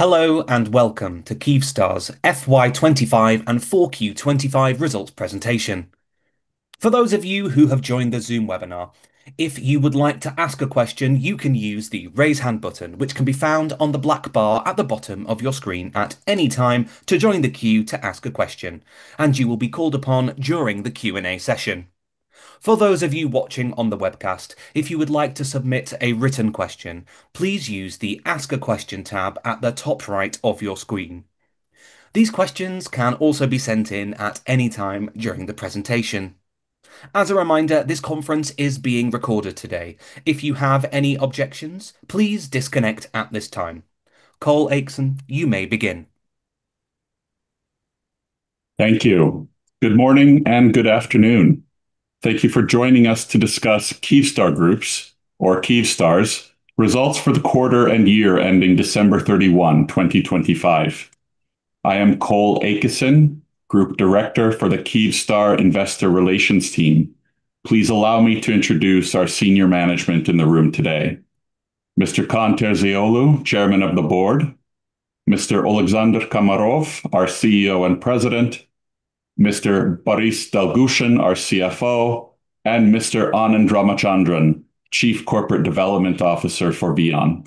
Hello and welcome to Kyivstar's FY 2025 and 4Q 2025 results presentation. For those of you who have joined the Zoom webinar, if you would like to ask a question, you can use the raise hand button, which can be found on the black bar at the bottom of your screen at any time to join the queue to ask a question, and you will be called upon during the Q&A session. For those of you watching on the webcast, if you would like to submit a written question, please use the Ask a Question tab at the top right of your screen. These questions can also be sent in at any time during the presentation. As a reminder, this conference is being recorded today. If you have any objections, please disconnect at this time. Cole Aitken, you may begin. Thank you. Good morning and good afternoon. Thank you for joining us to discuss Kyivstar Group's or Kyivstar's results for the quarter and year ending December 31, 2025. I am Cole Aitken, Group Director for the Kyivstar Investor Relations team. Please allow me to introduce our senior management in the room today. Mr. Kaan Terzioglu, Chairman of the Board, Mr. Oleksandr Komarov, our CEO and President, Mr. Boris Dolgushin, our CFO, and Mr. Anand Ramachandran, Chief Corporate Development Officer for VEON.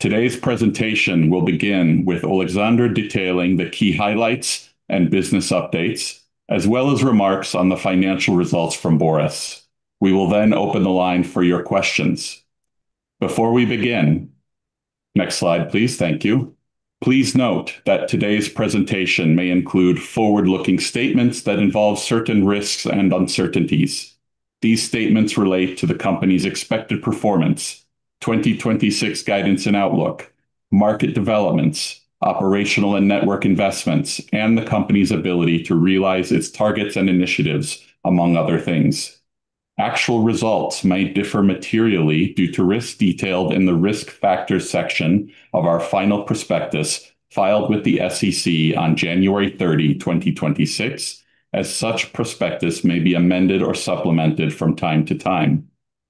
Today's presentation will begin with Oleksandr detailing the key highlights and business updates, as well as remarks on the financial results from Boris. We will then open the line for your questions. Before we begin. Next slide, please. Thank you. Please note that today's presentation may include forward-looking statements that involve certain risks and uncertainties. These statements relate to the company's expected performance, 2026 guidance and outlook, market developments, operational and network investments, and the company's ability to realize its targets and initiatives, among other things. Actual results may differ materially due to risks detailed in the Risk Factors section of our final prospectus filed with the SEC on January 30, 2026, as such prospectus may be amended or supplemented from time to time.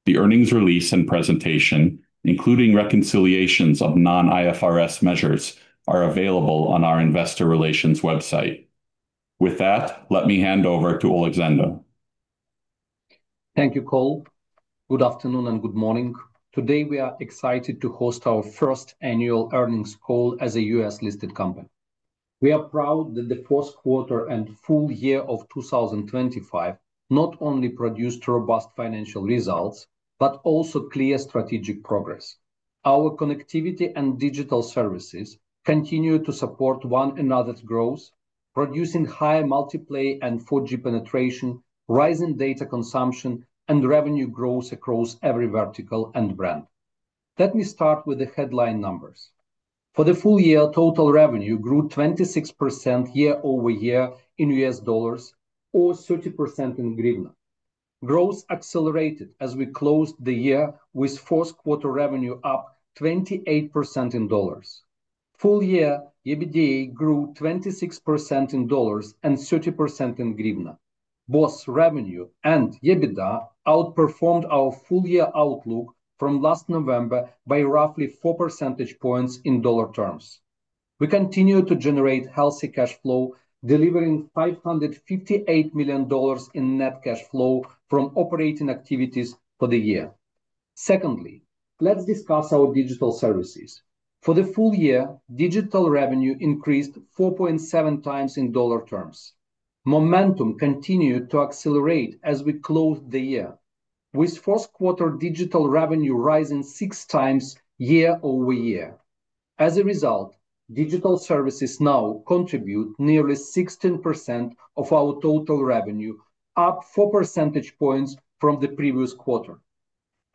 The earnings release and presentation, including reconciliations of non-IFRS measures, are available on our investor relations website. With that, let me hand over to Oleksandr. Thank you, Cole. Good afternoon and good morning. Today, we are excited to host our first annual earnings call as a U.S.-listed company. We are proud that the fourth quarter and full year of 2025 not only produced robust financial results, but also clear strategic progress. Our connectivity and digital services continue to support one another's growth, producing high multi-play and 4G penetration, rising data consumption, and revenue growth across every vertical and brand. Let me start with the headline numbers. For the full year, total revenue grew 26% year-over-year in U.S. dollars or 30% in hryvnia. Growth accelerated as we closed the year with fourth quarter revenue up 28% in dollars. Full year, EBITDA grew 26% in dollars and 30% in hryvnia. Both revenue and EBITDA outperformed our full year outlook from last November by roughly 4 percentage points in dollar terms. We continue to generate healthy cash flow, delivering $558 million in net cash flow from operating activities for the year. Secondly, let's discuss our digital services. For the full year, digital revenue increased 4.7x in dollar terms. Momentum continued to accelerate as we closed the year, with fourth quarter digital revenue rising 6x year-over-year. As a result, digital services now contribute nearly 16% of our total revenue, up 4 percentage points from the previous quarter.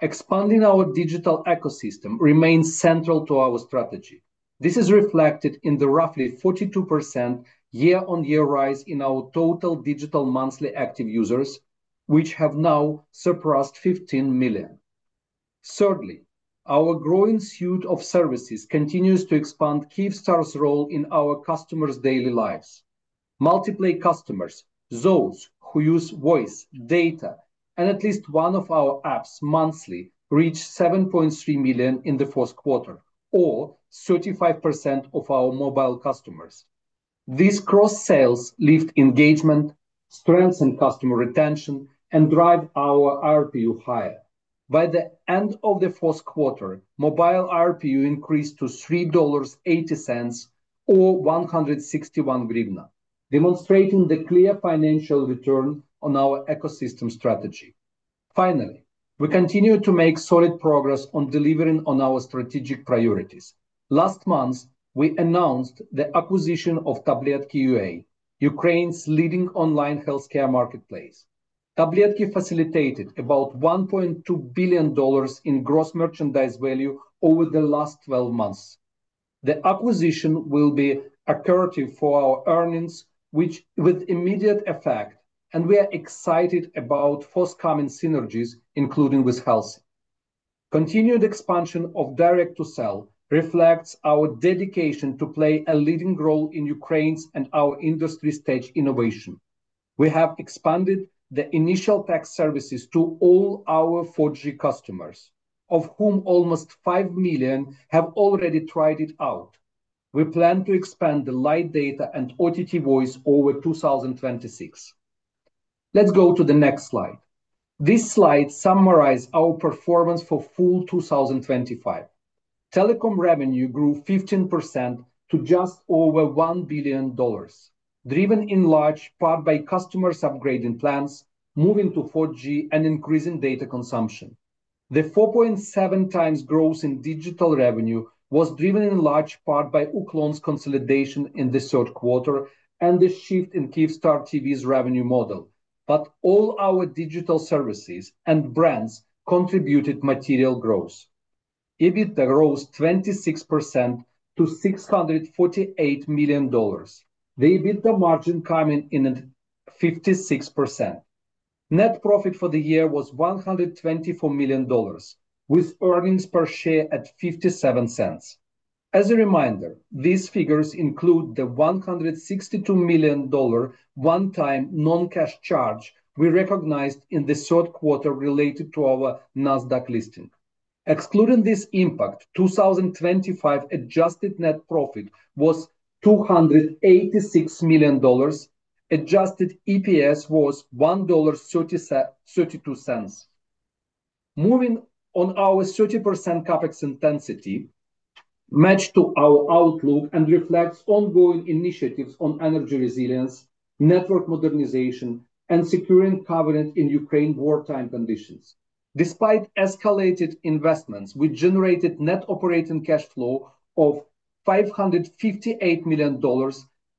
Expanding our digital ecosystem remains central to our strategy. This is reflected in the roughly 42% year-over-year rise in our total digital monthly active users, which have now surpassed 15 million. Thirdly, our growing suite of services continues to expand Kyivstar's role in our customers' daily lives. Multi-play customers, those who use voice, data, and at least one of our apps monthly reached 7.3 million in the fourth quarter, or 35% of our mobile customers. These cross sales lift engagement, strengthen customer retention, and drive our RPU higher. By the end of the fourth quarter, mobile RPU increased to $3.80 or UAH 161, demonstrating the clear financial return on our ecosystem strategy. Finally, we continue to make solid progress on delivering on our strategic priorities. Last month, we announced the acquisition of Tabletki.ua, Ukraine's leading online healthcare marketplace. Tabletki facilitated about UAH 1.2 billion in gross merchandise value over the last twelve months. The acquisition will be accretive for our earnings, which with immediate effect, and we are excited about forthcoming synergies, including with Helsi. Continued expansion of Direct to Cell reflects our dedication to play a leading role in Ukraine's and our industry space innovation. We have expanded the initial pack services to all our 4G customers, of whom almost 5 million have already tried it out. We plan to expand the light data and OTT voice over 2026. Let's go to the next slide. This slide summarizes our performance for full 2025. Telecom revenue grew 15% to just over $1 billion, driven in large part by customers upgrading plans, moving to 4G, and increasing data consumption. The 4.7x growth in digital revenue was driven in large part by Uklon's consolidation in the third quarter and the shift in Kyivstar TV's revenue model. All our digital services and brands contributed material growth. EBITDA rose 26% to $648 million. The EBITDA margin coming in at 56%. Net profit for the year was $124 million, with earnings per share at $0.57. As a reminder, these figures include the $162 million one-time non-cash charge we recognized in the third quarter related to our Nasdaq listing. Excluding this impact, 2025 adjusted net profit was $286 million. Adjusted EPS was $1.32. Moving on, our 30% CapEx intensity matched to our outlook and reflects ongoing initiatives on energy resilience, network modernization, and securing coverage in Ukraine wartime conditions. Despite escalated investments, we generated net operating cash flow of $558 million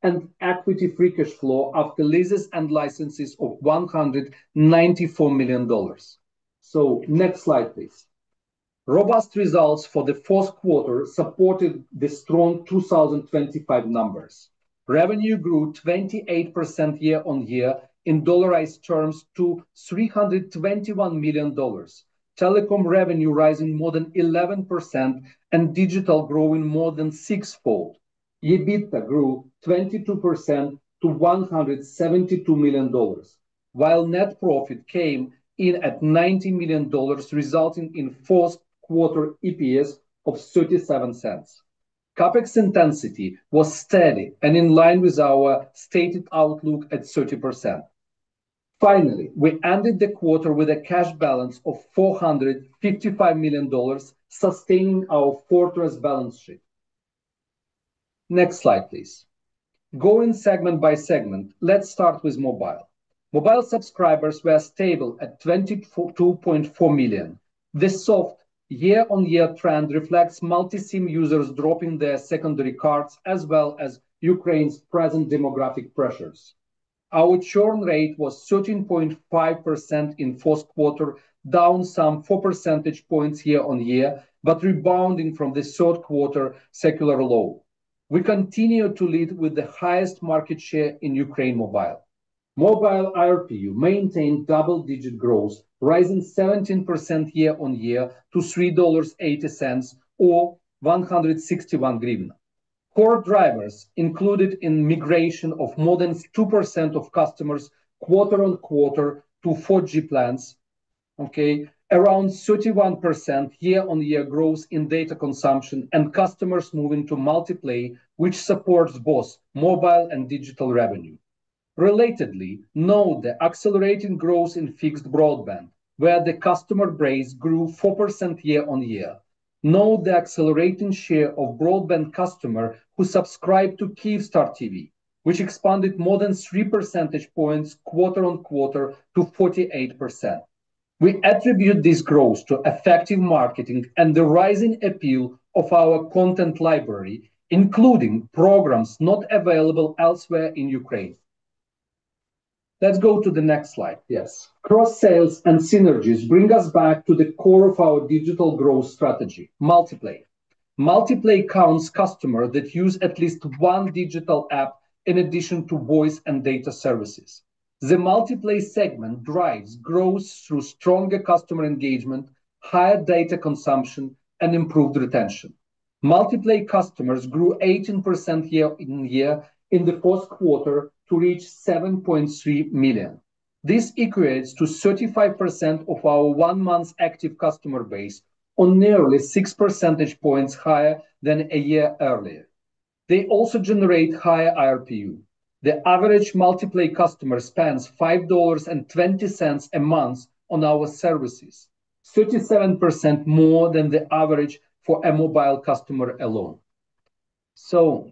and equity free cash flow after leases and licenses of $194 million. Next slide, please. Robust results for the fourth quarter supported the strong 2025 numbers. Revenue grew 28% year-on-year in dollarized terms to $321 million. Telecom revenue rising more than 11% and digital growing more than sixfold. EBITDA grew 22% to $172 million, while net profit came in at $90 million, resulting in fourth quarter EPS of $0.37. CapEx intensity was steady and in line with our stated outlook at 30%. Finally, we ended the quarter with a cash balance of $455 million, sustaining our fortress balance sheet. Next slide, please. Going segment by segment, let's start with mobile. Mobile subscribers were stable at 2.4 million. This soft year-on-year trend reflects multi-SIM users dropping their secondary cards, as well as Ukraine's present demographic pressures. Our churn rate was 13.5% in first quarter, down some 4 percentage points year-on-year, but rebounding from the third quarter secular low. We continue to lead with the highest market share in Ukraine Mobile. Mobile RPU maintained double-digit growth, rising 17% year-on-year to $3.80 or UAH 161. Core drivers included in migration of more than 2% of customers quarter-on-quarter to 4G plans. Okay. Around 31% year-on-year growth in data consumption and customers moving to multi-play, which supports both mobile and digital revenue. Relatedly, note the accelerating growth in fixed broadband, where the customer base grew 4% year-over-year. Note the accelerating share of broadband customers who subscribe to Kyivstar TV, which expanded more than 3 percentage points quarter-over-quarter to 48%. We attribute this growth to effective marketing and the rising appeal of our content library, including programs not available elsewhere in Ukraine. Let's go to the next slide. Yes. Cross-sales and synergies bring us back to the core of our digital growth strategy, multi-play. Multi-play counts customers that use at least one digital app in addition to voice and data services. The multi-play segment drives growth through stronger customer engagement, higher data consumption, and improved retention. Multi-play customers grew 18% year-over-year in the first quarter to reach 7.3 million. This equates to 35% of our one-month active customer base or nearly six percentage points higher than a year earlier. They also generate higher RPU. The average multi-play customer spends $5.20 a month on our services, 37% more than the average for a mobile customer alone.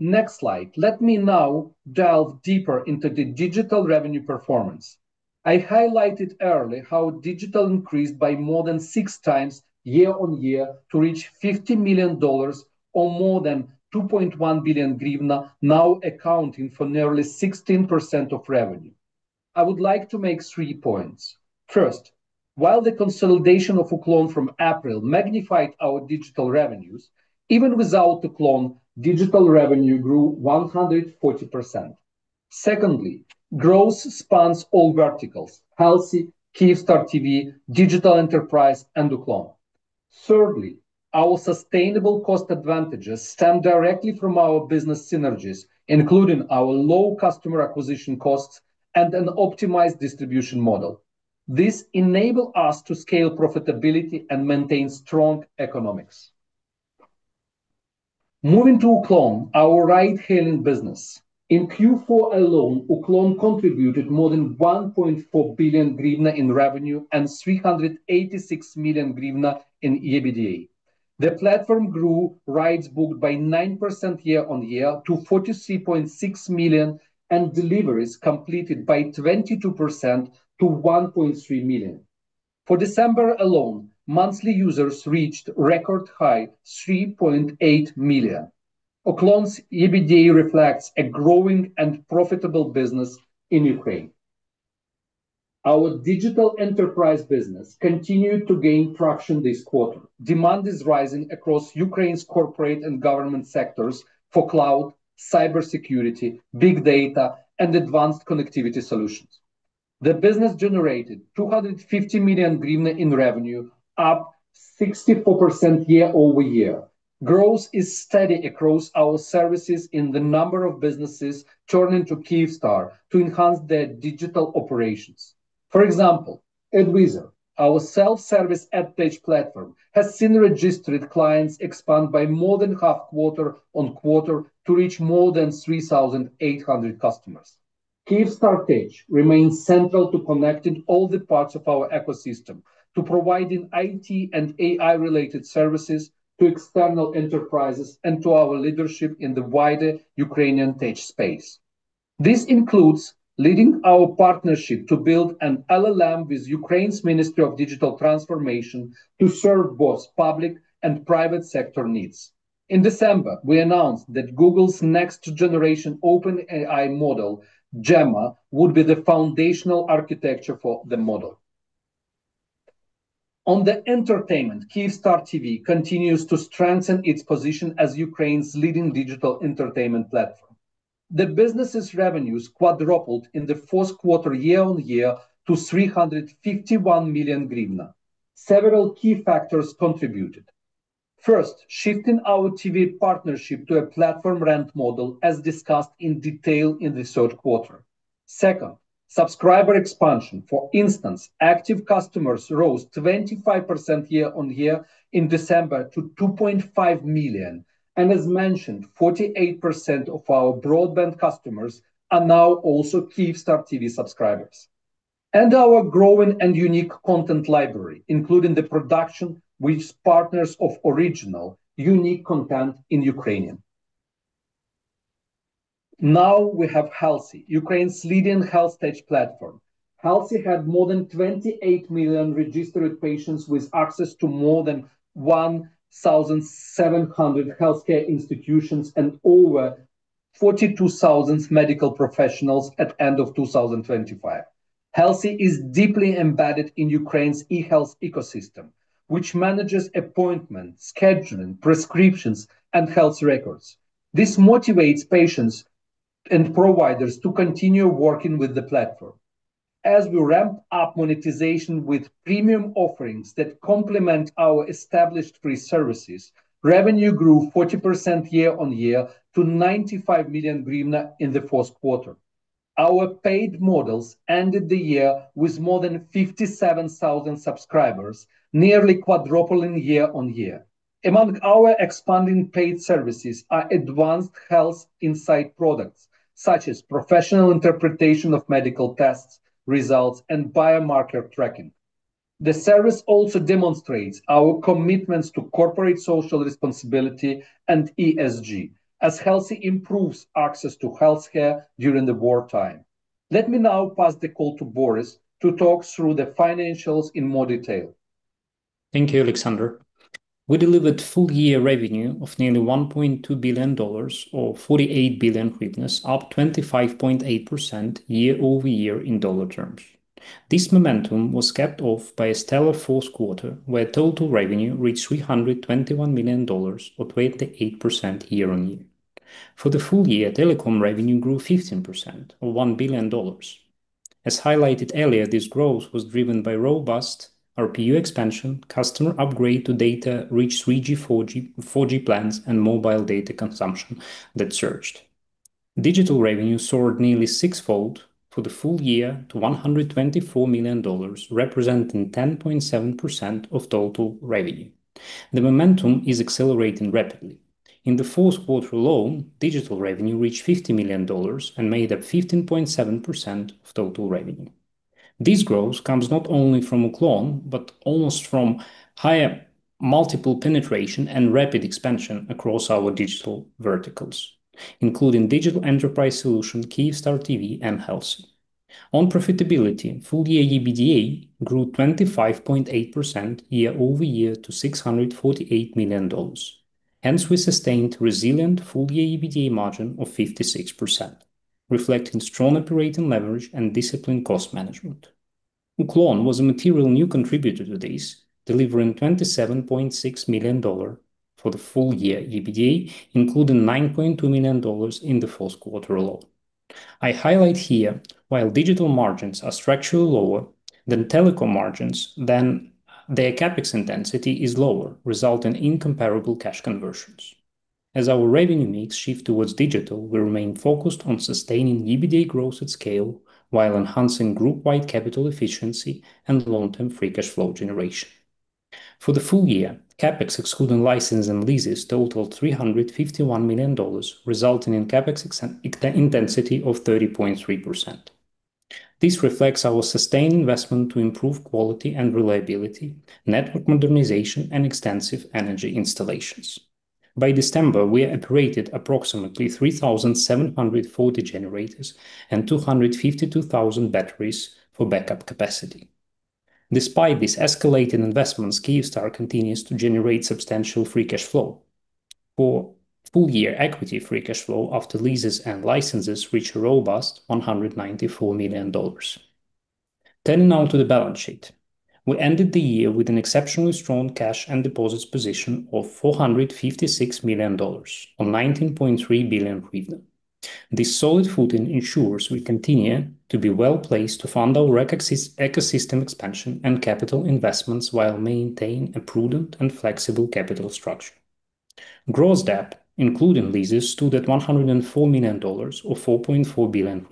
Next slide. Let me now delve deeper into the digital revenue performance. I highlighted earlier how digital increased by more than 6x year-on-year to reach $50 million or more than UAH 2.1 billion, now accounting for nearly 16% of revenue. I would like to make three points. First, while the consolidation of Uklon from April magnified our digital revenues, even without Uklon, digital revenue grew 140%. Secondly, growth spans all verticals, Helsi, Kyivstar TV, Digital Enterprise, and Uklon. Thirdly, our sustainable cost advantages stem directly from our business synergies, including our low customer acquisition costs and an optimized distribution model. This enable us to scale profitability and maintain strong economics. Moving to Uklon, our ride-hailing business. In Q4 alone, Uklon contributed more than UAH 1.4 billion in revenue and UAH 386 million in EBITDA. The platform grew rides booked by 9% year-over-year to 43.6 million, and deliveries completed by 22% to 1.3 million. For December alone, monthly users reached record-high 3.8 million. Uklon's EBITDA reflects a growing and profitable business in Ukraine. Our digital enterprise business continued to gain traction this quarter. Demand is rising across Ukraine's corporate and government sectors for cloud, cybersecurity, big data, and advanced connectivity solutions. The business generated UAH 250 million in revenue, up 64% year-over-year. Growth is steady across our services in the number of businesses turning to Kyivstar to enhance their digital operations. For example, Edwiser, our self-service edtech platform, has seen registered clients expand by more than half quarter-on-quarter to reach more than 3,800 customers. Kyivstar.Tech remains central to connecting all the parts of our ecosystem to providing IT and AI-related services to external enterprises and to our leadership in the wider Ukrainian tech space. This includes leading our partnership to build an LLM with Ukraine's Ministry of Digital Transformation to serve both public and private sector needs. In December, we announced that Google's next-generation open AI model, Gemma, would be the foundational architecture for the model. On the entertainment, Kyivstar TV continues to strengthen its position as Ukraine's leading digital entertainment platform. The business' revenues quadrupled in the fourth quarter year-over-year to UAH 351 million. Several key factors contributed. First, shifting our TV partnership to a platform rent model as discussed in detail in the third quarter. Second, subscriber expansion. For instance, active customers rose 25% year-over-year in December to 2.5 million. As mentioned, 48% of our broadband customers are now also Kyivstar TV subscribers. Our growing and unique content library, including the production with partners of original, unique content in Ukrainian. Now we have Helsi, Ukraine's leading health tech platform. Helsi had more than 28 million registered patients with access to more than 1,700 healthcare institutions and over 42,000 medical professionals at end of 2025. Helsi is deeply embedded in Ukraine's e-health ecosystem, which manages appointments, scheduling, prescriptions, and health records. This motivates patients and providers to continue working with the platform. As we ramp up monetization with premium offerings that complement our established free services, revenue grew 40% year-over-year to UAH 95 million in the fourth quarter. Our paid models ended the year with more than 57,000 subscribers, nearly quadrupling year-over-year. Among our expanding paid services are advanced health insight products, such as professional interpretation of medical tests, results, and biomarker tracking. The service also demonstrates our commitments to corporate social responsibility and ESG as Helsi improves access to healthcare during the wartime. Let me now pass the call to Borys to talk through the financials in more detail. Thank you, Oleksandr. We delivered full year revenue of nearly $1.2 billion, or 48 billion UAH, up 25.8% year-over-year in dollar terms. This momentum was capped off by a stellar fourth quarter, where total revenue reached $321 million or 28% year-over-year. For the full year, telecom revenue grew 15%, or $1 billion. As highlighted earlier, this growth was driven by robust RPU expansion, customer upgrade to data-rich 3G, 4G plans and mobile data consumption that surged. Digital revenue soared nearly six-fold for the full year to $124 million, representing 10.7% of total revenue. The momentum is accelerating rapidly. In the fourth quarter alone, digital revenue reached $50 million and made up 15.7% of total revenue. This growth comes not only from Uklon, but almost from higher multiple penetration and rapid expansion across our digital verticals, including Digital Enterprise solution, Kyivstar TV, and Helsi. On profitability, full year EBITDA grew 25.8% year-over-year to $648 million. Hence, we sustained resilient full year EBITDA margin of 56%, reflecting strong operating leverage and disciplined cost management. Uklon was a material new contributor to this, delivering $27.6 million dollars for the full year EBITDA, including $9.2 million in the fourth quarter alone. I highlight here while digital margins are structurally lower than telecom margins, then their CapEx intensity is lower, resulting in comparable cash conversions. As our revenue mix shift towards digital, we remain focused on sustaining EBITDA growth at scale while enhancing group-wide capital efficiency and long-term free cash flow generation. For the full year, CapEx excluding license and leases totaled $351 million, resulting in CapEx intensity of 30.3%. This reflects our sustained investment to improve quality and reliability, network modernization, and extensive energy installations. By December, we had operated approximately 3,740 generators and 252,000 batteries for backup capacity. Despite these escalating investments, Kyivstar continues to generate substantial free cash flow. For full year equity, free cash flow after leases and licenses reached a robust $194 million. Turning now to the balance sheet. We ended the year with an exceptionally strong cash and deposits position of $456 million or UAH 19.3 billion. This solid footing ensures we continue to be well-placed to fund our ecosystem expansion and capital investments while maintaining a prudent and flexible capital structure. Gross debt, including leases, stood at UAH 104 million or UAH 4.4 billion.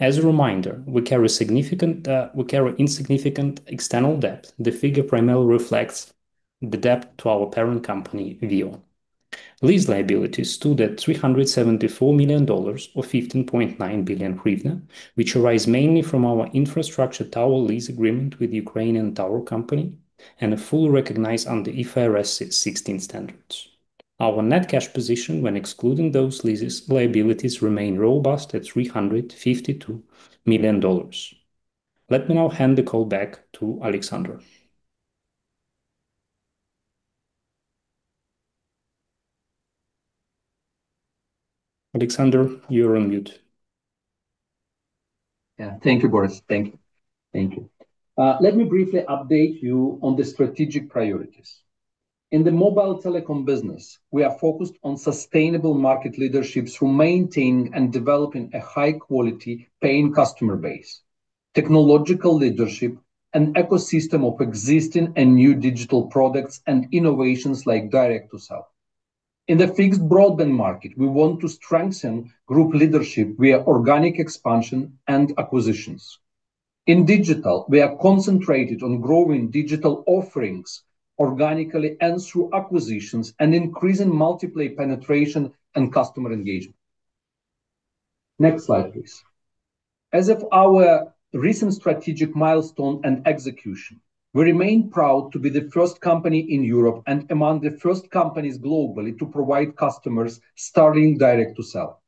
As a reminder, we carry insignificant external debt. The figure primarily reflects the debt to our parent company, VEON. Lease liabilities stood at $374 million or UAH 15.9 billion, which arise mainly from our infrastructure tower lease agreement with Ukrtower and are fully recognized under IFRS 16 standards. Our net cash position when excluding those lease liabilities remains robust at $352 million. Let me now hand the call back to Oleksandr. Oleksandr, you're on mute. Thank you, Borys. Let me briefly update you on the strategic priorities. In the mobile telecom business, we are focused on sustainable market leadership through maintaining and developing a high-quality paying customer base, technological leadership, an ecosystem of existing and new digital products, and innovations like direct-to-cell. In the fixed broadband market, we want to strengthen group leadership via organic expansion and acquisitions. In digital, we are concentrated on growing digital offerings organically and through acquisitions and increasing multiple penetration and customer engagement. Next slide, please. As of our recent strategic milestone and execution, we remain proud to be the first company in Europe and among the first companies globally to provide customers Starlink direct-to-cell.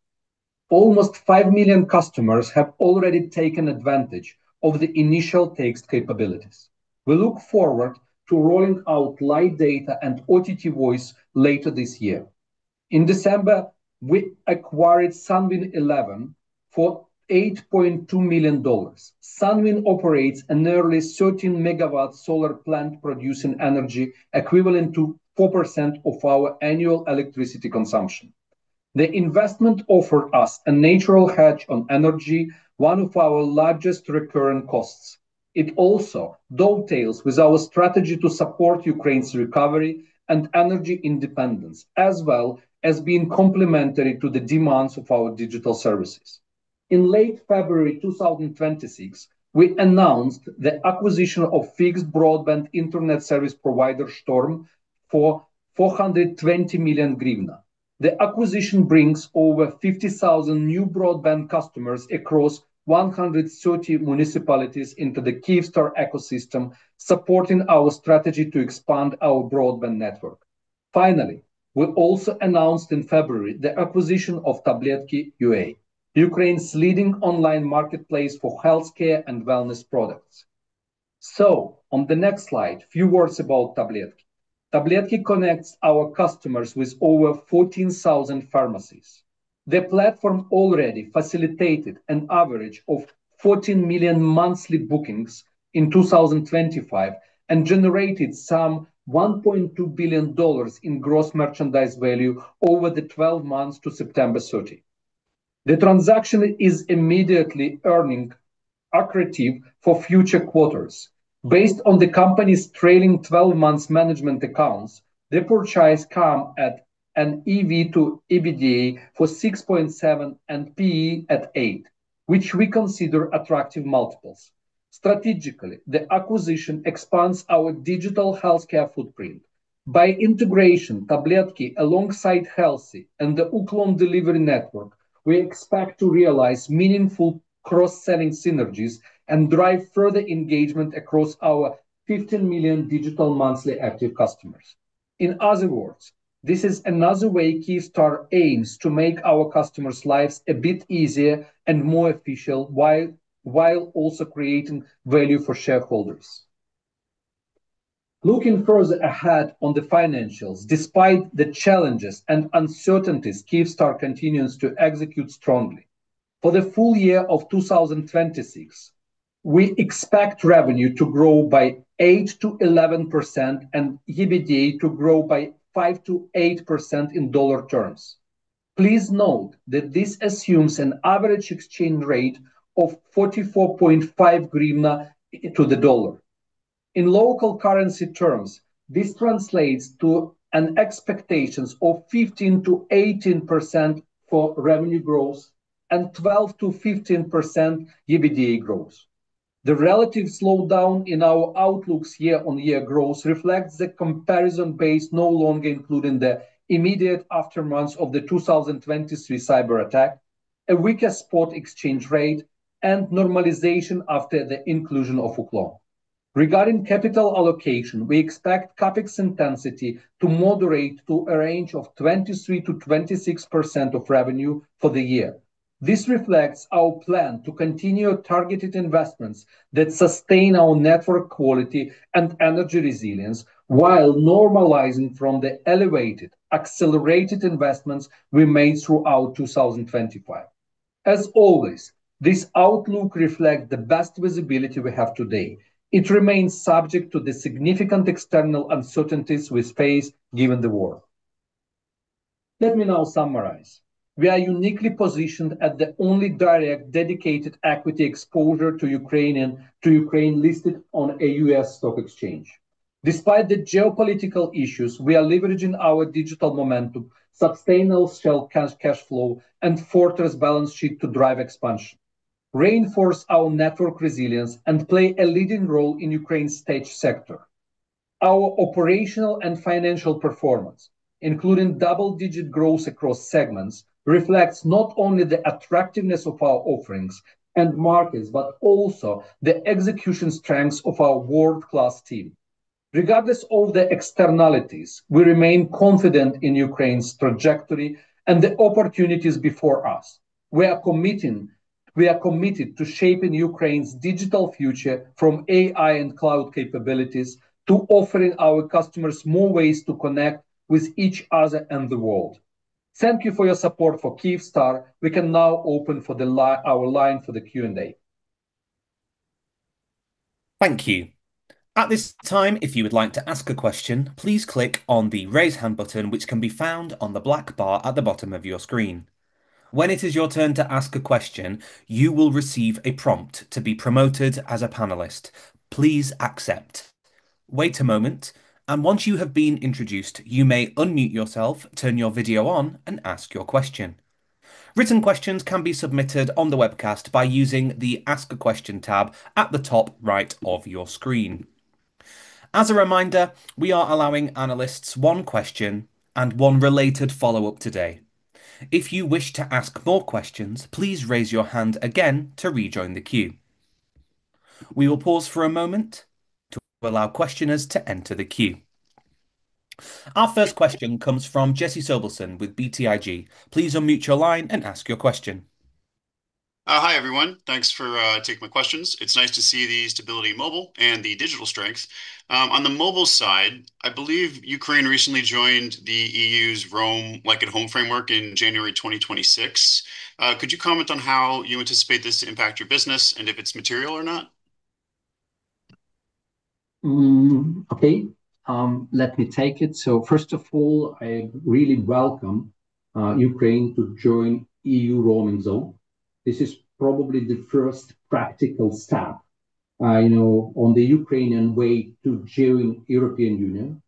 Almost 5 million customers have already taken advantage of the initial text capabilities. We look forward to rolling out live data and OTT voice later this year. In December, we acquired SUNVIN 11 for $8.2 million. SUNVIN 11 operates a nearly 13 MW solar plant producing energy equivalent to 4% of our annual electricity consumption. The investment offered us a natural hedge on energy, one of our largest recurring costs. It also dovetails with our strategy to support Ukraine's recovery and energy independence, as well as being complementary to the demands of our digital services. In late February 2026, we announced the acquisition of fixed broadband internet service provider Storm for UAH 420 million. The acquisition brings over 50,000 new broadband customers across 130 municipalities into the Kyivstar ecosystem, supporting our strategy to expand our broadband network. Finally, we also announced in February the acquisition of Tabletki.ua, Ukraine's leading online marketplace for healthcare and wellness products. On the next slide, a few words about Tabletki. Tabletki connects our customers with over 14,000 pharmacies. The platform already facilitated an average of 14 million monthly bookings in 2025 and generated some $1.2 billion in gross merchandise value over the 12 months to September 30. The transaction is immediately earnings accretive for future quarters. Based on the company's trailing 12 months management accounts, the purchase comes at an EV/EBITDA of 6.7x and P/E of 8x, which we consider attractive multiples. Strategically, the acquisition expands our digital healthcare footprint. By integrating Tabletki, alongside Helsi and the Uklon delivery network, we expect to realize meaningful cross-selling synergies and drive further engagement across our 15 million digital monthly active customers. In other words, this is another way Kyivstar aims to make our customers' lives a bit easier and more efficient while also creating value for shareholders. Looking further ahead on the financials, despite the challenges and uncertainties, Kyivstar continues to execute strongly. For the full year of 2026, we expect revenue to grow by 8%-11% and EBITDA to grow by 5%-8% in dollar terms. Please note that this assumes an average exchange rate of 44.5 hryvnia to the dollar. In local currency terms, this translates to expectations of 15%-18% for revenue growth and 12%-15% EBITDA growth. The relative slowdown in our outlook's year-over-year growth reflects the comparison base no longer including the immediate aftermath months of the 2023 cyber attack, a weaker spot exchange rate, and normalization after the inclusion of Uklon. Regarding capital allocation, we expect CapEx intensity to moderate to a range of 23%-26% of revenue for the year. This reflects our plan to continue targeted investments that sustain our network quality and energy resilience while normalizing from the elevated, accelerated investments we made throughout 2025. As always, this outlook reflects the best visibility we have today. It remains subject to the significant external uncertainties we face given the war. Let me now summarize. We are uniquely positioned as the only direct dedicated equity exposure to Ukraine listed on a U.S. stock exchange. Despite the geopolitical issues, we are leveraging our digital momentum, sustainable strong cash flow, and fortress balance sheet to drive expansion, reinforce our network resilience, and play a leading role in Ukraine's tech sector. Our operational and financial performance, including double-digit growth across segments, reflects not only the attractiveness of our offerings and markets, but also the execution strengths of our world-class team. Regardless of the externalities, we remain confident in Ukraine's trajectory and the opportunities before us. We are committed to shaping Ukraine's digital future from AI and cloud capabilities to offering our customers more ways to connect with each other and the world. Thank you for your support for Kyivstar. We can now open our line for the Q&A. Thank you. At this time, if you would like to ask a question, please click on the Raise Hand button, which can be found on the black bar at the bottom of your screen. When it is your turn to ask a question, you will receive a prompt to be promoted as a panelist. Please accept. Wait a moment, and once you have been introduced, you may unmute yourself, turn your video on, and ask your question. Written questions can be submitted on the webcast by using the Ask a Question tab at the top right of your screen. As a reminder, we are allowing analysts one question and one related follow-up today. If you wish to ask more questions, please raise your hand again to rejoin the queue. We will pause for a moment to allow questioners to enter the queue. Our first question comes from Jesse Sobelson with BTIG. Please unmute your line and ask your question. Hi, everyone. Thanks for taking my questions. It's nice to see the stability mobile and the digital strength. On the mobile side, I believe Ukraine recently joined the EU's Roam Like at Home framework in January 2026. Could you comment on how you anticipate this to impact your business and if it's material or not? Let me take it. First of all, I really welcome Ukraine to join EU roaming zone. This is probably the first practical step, you know, on the Ukrainian way to join European Union.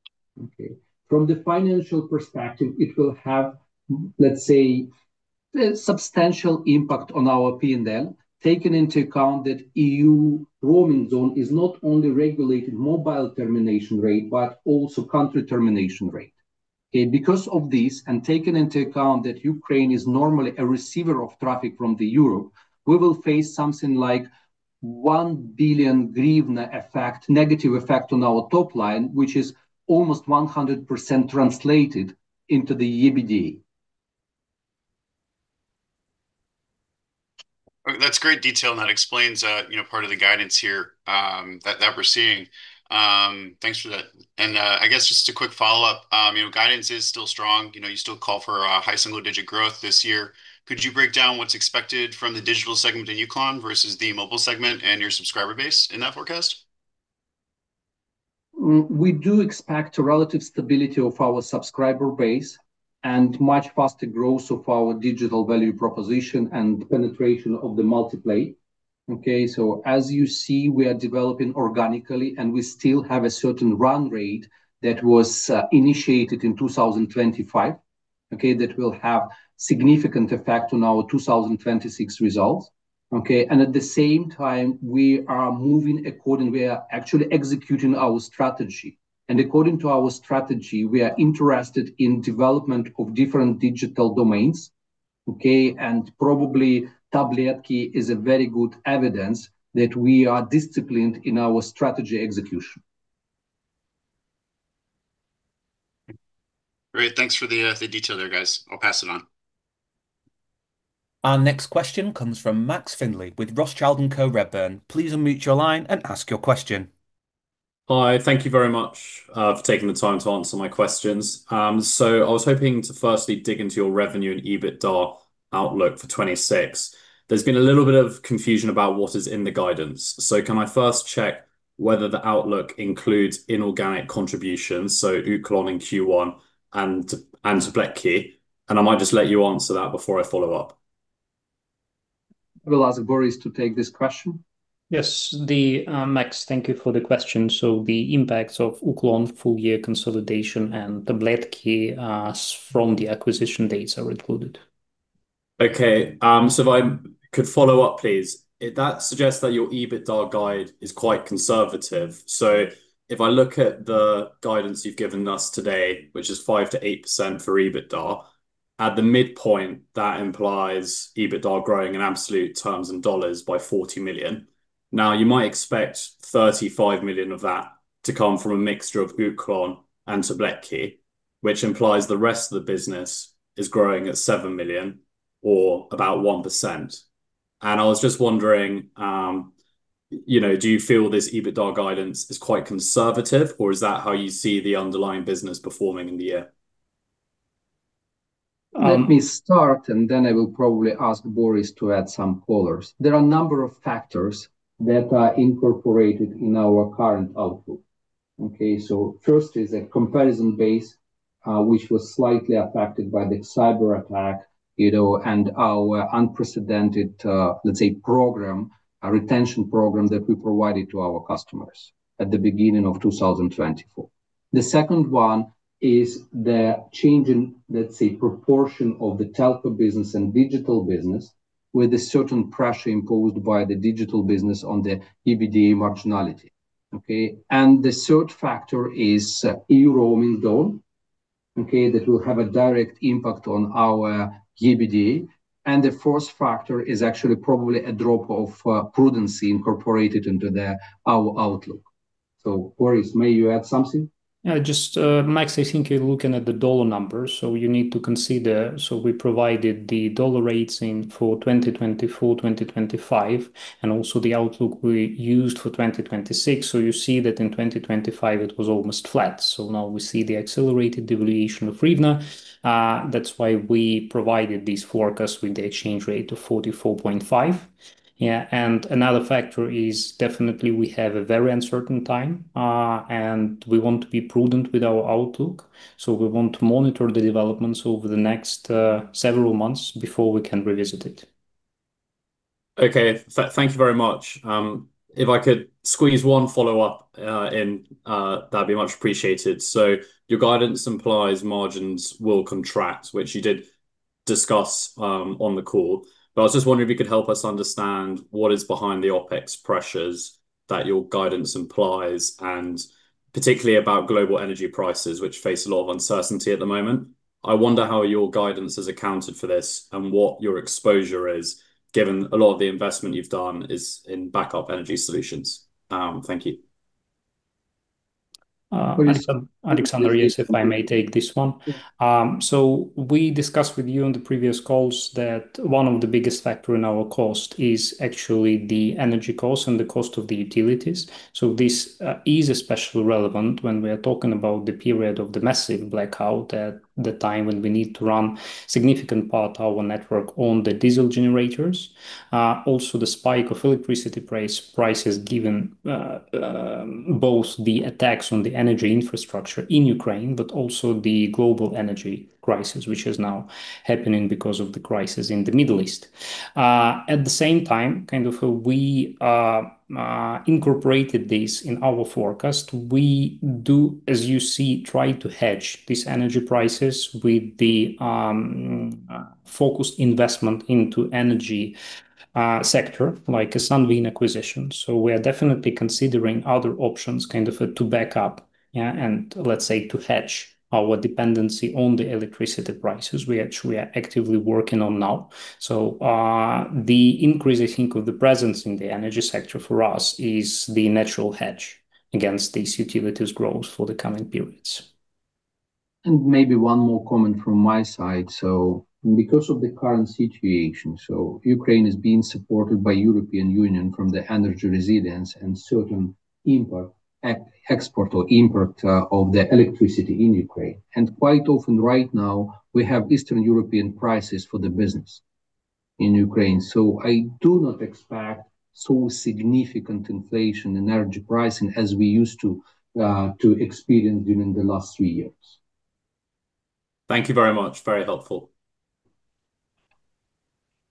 From the financial perspective, it will have, let's say, a substantial impact on our P&L, taking into account that EU roaming zone is not only regulating mobile termination rate, but also country termination rate. Because of this, and taking into account that Ukraine is normally a receiver of traffic from Europe, we will face something like UAH 1 billion effect, negative effect on our top line, which is almost 100% translated into the EBITDA. That's great detail, and that explains, you know, part of the guidance here, that we're seeing. Thanks for that. I guess just a quick follow-up. You know, guidance is still strong. You know, you still call for a high single-digit growth this year. Could you break down what's expected from the digital segment in Uklon versus the mobile segment and your subscriber base in that forecast? We do expect relative stability of our subscriber base and much faster growth of our digital value proposition and penetration of the multi-play. Okay? As you see, we are developing organically, and we still have a certain run rate that was initiated in 2025, okay, that will have significant effect on our 2026 results. Okay. At the same time, we are actually executing our strategy. According to our strategy, we are interested in development of different digital domains, okay? Probably Tabletki is a very good evidence that we are disciplined in our strategy execution. Great. Thanks for the detail there, guys. I'll pass it on. Our next question comes from Max Findlay with Rothschild & Co Redburn. Please unmute your line and ask your question. Hi. Thank you very much for taking the time to answer my questions. I was hoping to firstly dig into your revenue and EBITDA outlook for 2026. There's been a little bit of confusion about what is in the guidance. Can I first check whether the outlook includes inorganic contributions, so Uklon in Q1 and Tabletki? I might just let you answer that before I follow up. I will ask Boris to take this question. Yes. Thank you, Max, for the question. The impacts of Uklon full year consolidation and Tabletki from the acquisition dates are included. Okay. If I could follow up, please. That suggests that your EBITDA guide is quite conservative. If I look at the guidance you've given us today, which is 5%-8% for EBITDA, at the midpoint, that implies EBITDA growing in absolute terms in dollars by $40 million. Now, you might expect $35 million of that to come from a mixture of Uklon and Tabletki, which implies the rest of the business is growing at $7 million or about 1%. I was just wondering, you know, do you feel this EBITDA guidance is quite conservative, or is that how you see the underlying business performing in the year? Let me start, and then I will probably ask Boris to add some colors. There are a number of factors that are incorporated in our current outlook. First is a comparison base, which was slightly affected by the cyberattack, you know, and our unprecedented, let's say program, a retention program that we provided to our customers at the beginning of 2024. The second one is the change in, let's say, proportion of the telco business and digital business with a certain pressure imposed by the digital business on the EBITDA marginality. The third factor is EU roaming down, that will have a direct impact on our EBITDA. The fourth factor is actually probably a drop of prudence incorporated into our outlook. Boris, may you add something? Yeah. Just, Max, I think you're looking at the dollar numbers, so you need to consider. We provided the dollar rates in force for 2024, 2025, and also the outlook we used for 2026. You see that in 2025 it was almost flat. Now we see the accelerated devaluation of hryvnia. That's why we provided these forecasts with the exchange rate to 44.5. Yeah. Another factor is definitely we have a very uncertain time, and we want to be prudent with our outlook. We want to monitor the developments over the next several months before we can revisit it. Thank you very much. If I could squeeze one follow-up, that'd be much appreciated. Your guidance implies margins will contract, which you did discuss on the call. I was just wondering if you could help us understand what is behind the OpEx pressures that your guidance implies, and particularly about global energy prices, which face a lot of uncertainty at the moment. I wonder how your guidance has accounted for this and what your exposure is, given a lot of the investment you've done is in backup energy solutions. Thank you. Uh- Borys, if you. Alexander, yes, if I may take this one. We discussed with you on the previous calls that one of the biggest factor in our cost is actually the energy cost and the cost of the utilities. This is especially relevant when we are talking about the period of the massive blackout at the time when we need to run significant part our network on the diesel generators. Also the spike of electricity prices given both the attacks on the energy infrastructure in Ukraine, but also the global energy crisis, which is now happening because of the crisis in the Middle East. At the same time, kind of, we incorporated this in our forecast. We do, as you see, try to hedge these energy prices with the focused investment into energy sector, like a Sunvin acquisition. We are definitely considering other options, kind of, to back up, yeah, and let's say to hedge our dependency on the electricity prices we are actually actively working on now. The increase, I think, of the presence in the energy sector for us is the natural hedge against these utilities growth for the coming periods. Maybe one more comment from my side. Because of the current situation, Ukraine is being supported by European Union from the energy resilience and certain import-export or import of the electricity in Ukraine. Quite often right now, we have Eastern European prices for the business in Ukraine. I do not expect so significant inflation in energy pricing as we used to to experience during the last three years. Thank you very much. Very helpful.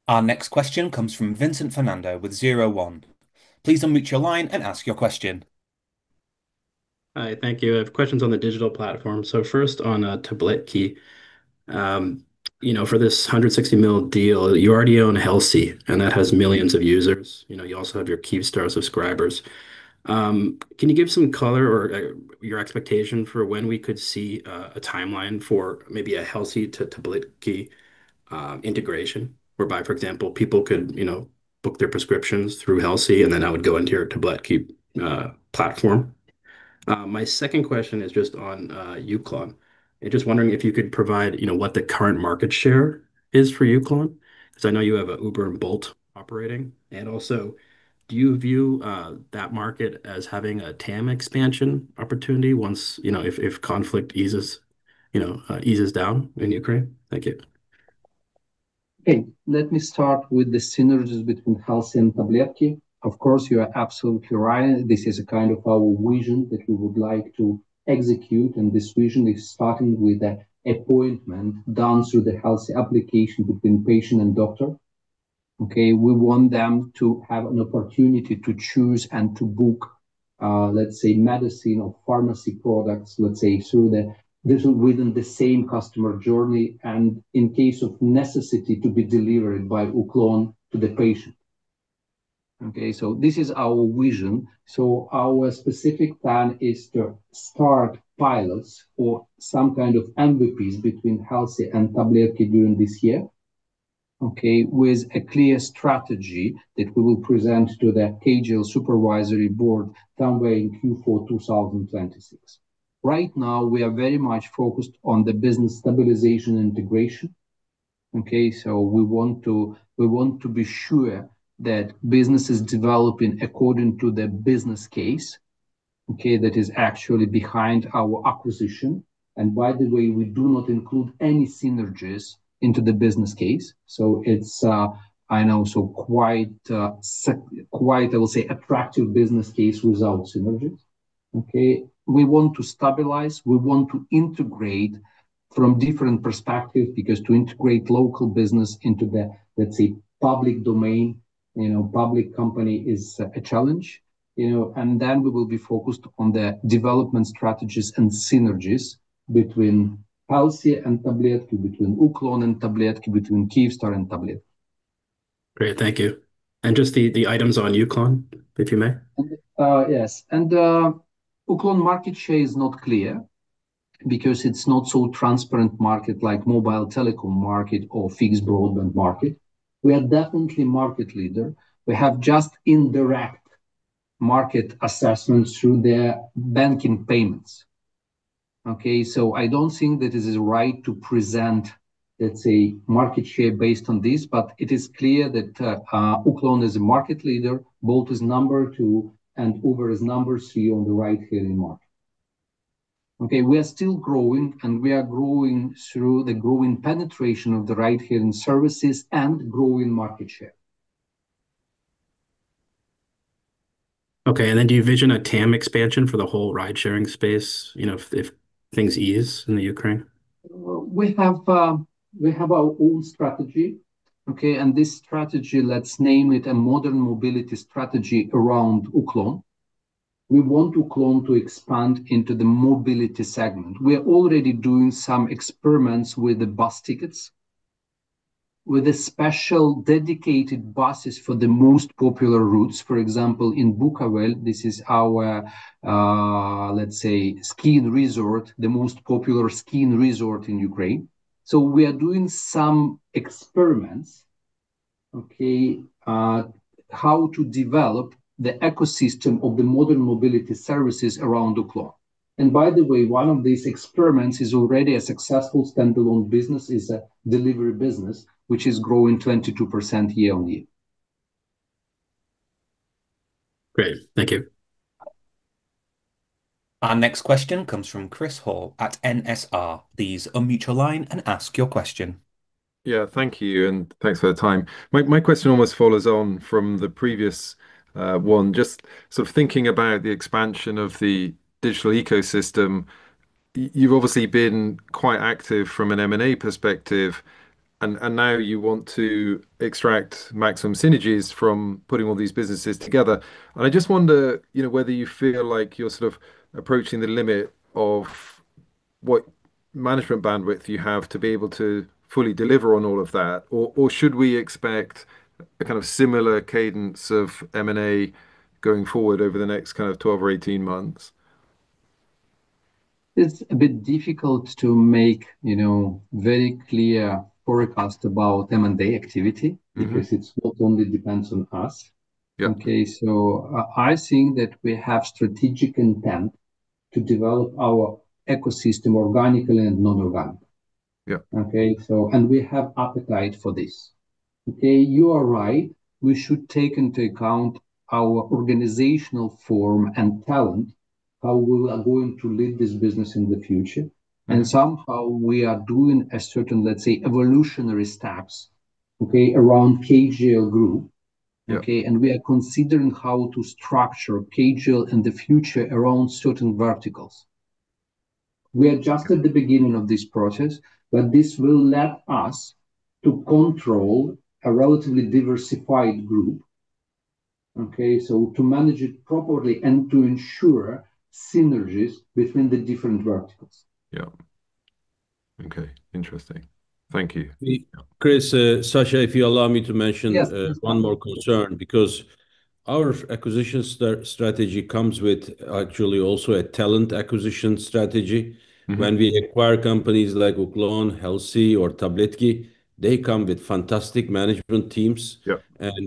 Our next question comes from Vincent Fernando with Zero One. Please unmute your line and ask your question. Hi. Thank you. I have questions on the digital platform. First on Tabletki. For this $160 million deal, you already own Helsi, and that has millions of users. You also have your Kyivstar subscribers. Can you give some color or your expectation for when we could see a timeline for maybe a Helsi to Tabletki integration, whereby, for example, people could book their prescriptions through Helsi, and then that would go into your Tabletki platform? My second question is just on Uklon. Just wondering if you could provide what the current market share is for Uklon, because I know you have a Uber and Bolt operating? Also, do you view that market as having a TAM expansion opportunity once, you know, if conflict eases, you know, eases down in Ukraine? Thank you. Okay. Let me start with the synergies between Helsi and Tabletki. Of course, you are absolutely right. This is a kind of our vision that we would like to execute, and this vision is starting with the appointment down through the Helsi application between patient and doctor. Okay. We want them to have an opportunity to choose and to book, let's say, medicine or pharmacy products, let's say, within the same customer journey, and in case of necessity to be delivered by Uklon to the patient. Okay, this is our vision. Our specific plan is to start pilots or some kind of MVPs between Helsi and Tabletki during this year, okay, with a clear strategy that we will present to the KGL supervisory board somewhere in Q4 2026. Right now, we are very much focused on the business stabilization and integration. Okay. We want to be sure that business is developing according to the business case, okay, that is actually behind our acquisition. By the way, we do not include any synergies into the business case, so it's quite, I will say, attractive business case without synergies. Okay? We want to stabilize, we want to integrate from different perspectives, because to integrate local business into the, let's say, public domain, you know, public company is a challenge, you know. Then we will be focused on the development strategies and synergies between Helsi and Tabletki, between Uklon and Tabletki, between Kyivstar and Tabletki. Great. Thank you. Just the items on Uklon, if you may. Yes. Uklon market share is not clear because it's not so transparent market like mobile telecom market or fixed broadband market. We are definitely market leader. We have just indirect market assessments through their banking payments. Okay? I don't think that it is right to present, let's say, market share based on this, but it is clear that Uklon is a market leader, Bolt is number two, and Uber is number three on the ride-hailing market. Okay? We are still growing, and we are growing through the growing penetration of the ride-hailing services and growing market share. Okay. Do you envision a TAM expansion for the whole ride-sharing space, you know, if things ease in Ukraine? We have our own strategy, okay? This strategy, let's name it a modern mobility strategy around Uklon. We want Uklon to expand into the mobility segment. We are already doing some experiments with the bus tickets, with the special dedicated buses for the most popular routes. For example, in Bukovel, this is our, let's say, skiing resort, the most popular skiing resort in Ukraine. We are doing some experiments, okay, how to develop the ecosystem of the modern mobility services around Uklon. By the way, one of these experiments is already a successful standalone business is a delivery business, which is growing 22% year-over-year. Great. Thank you. Our next question comes from Chris Hall at NSR. Please unmute your line and ask your question. Yeah, thank you, and thanks for the time. My question almost follows on from the previous one. Just sort of thinking about the expansion of the digital ecosystem, you've obviously been quite active from an M&A perspective and now you want to extract maximum synergies from putting all these businesses together. I just wonder, you know, whether you feel like you're sort of approaching the limit of what management bandwidth you have to be able to fully deliver on all of that or should we expect a kind of similar cadence of M&A going forward over the next kind of twelve or eighteen months? It's a bit difficult to make, you know, very clear forecast about M&A activity. Mm-hmm Because it's not only depends on us. Yeah. Okay. I think that we have strategic intent to develop our ecosystem organically and non-organically. Yeah. Okay. We have appetite for this. Okay. You are right. We should take into account our organizational form and talent, how we are going to lead this business in the future. Yeah. Somehow we are doing a certain, let's say, evolutionary steps, okay, around KGL Group. Yeah. Okay. We are considering how to structure KGL in the future around certain verticals. We are just at the beginning of this process, but this will let us to control a relatively diversified group, okay, so to manage it properly and to ensure synergies between the different verticals. Yeah. Okay. Interesting. Thank you. Chris, Sasha, if you allow me to mention. Yes, please. One more concern because our acquisition strategy comes with actually also a talent acquisition strategy. Mm-hmm. When we acquire companies like Uklon, Helsi or Tabletki, they come with fantastic management teams. Yeah.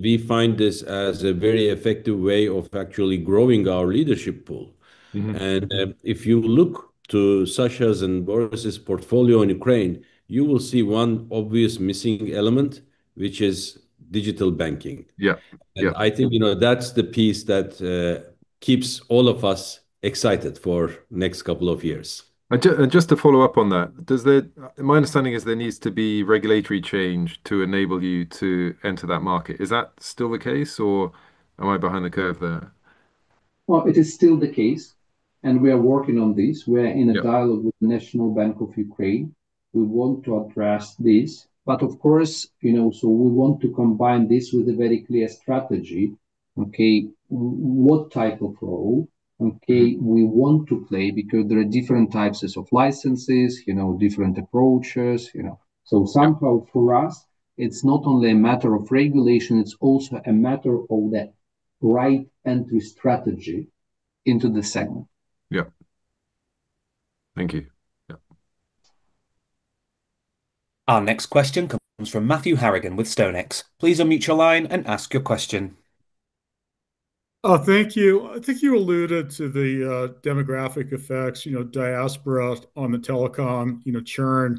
We find this as a very effective way of actually growing our leadership pool. Mm-hmm. If you look to Sasha's and Boris' portfolio in Ukraine, you will see one obvious missing element, which is digital banking. Yeah. Yeah. I think, you know, that's the piece that. Keeps all of us excited for next couple of years. Just to follow up on that, my understanding is there needs to be regulatory change to enable you to enter that market. Is that still the case, or am I behind the curve there? Well, it is still the case, and we are working on this. Yeah. We're in a dialogue with the National Bank of Ukraine. We want to address this. Of course, you know, so we want to combine this with a very clear strategy, okay? What type of role, okay, we want to play because there are different types of licenses, you know, different approaches, you know. Somehow for us, it's not only a matter of regulation, it's also a matter of the right entry strategy into the segment. Yeah. Thank you. Yeah. Our next question comes from Matthew Harrigan with StoneX. Please unmute your line and ask your question. Oh, thank you. I think you alluded to the demographic effects, you know, diaspora on the telecom, you know, churn.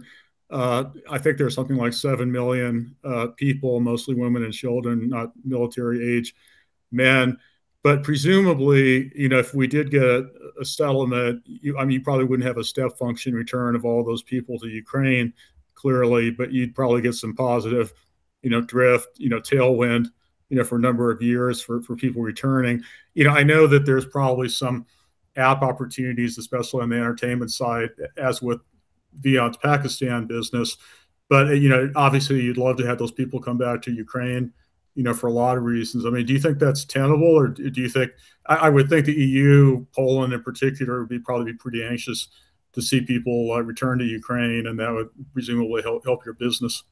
I think there's something like 7 million people, mostly women and children, not military age men. Presumably, you know, if we did get a settlement, I mean, you probably wouldn't have a step function return of all those people to Ukraine, clearly, but you'd probably get some positive, you know, drift, you know, tailwind, you know, for a number of years for people returning. You know, I know that there's probably some app opportunities, especially on the entertainment side, as with VEON's Pakistan business. You know, obviously you'd love to have those people come back to Ukraine, you know, for a lot of reasons. I mean, do you think that's tenable, or do you think I would think the EU, Poland in particular, would probably be pretty anxious to see people return to Ukraine, and that would presumably help your business.